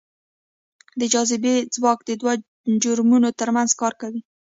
د جاذبې ځواک دوو جرمونو ترمنځ کار کوي.